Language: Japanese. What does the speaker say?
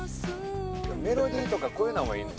メロディーとかこういうのがいい。